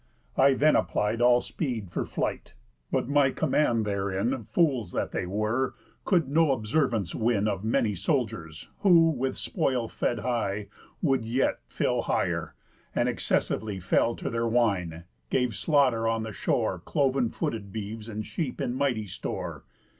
I then applied All speed for flight; but my command therein, Fools that they were, could no observance win Of many soldiers, who, with spoil fed high, Would yet fill higher, and excessively Fell to their wine, gave slaughter on the shore Clov'n footed beeves and sheep in mighty store.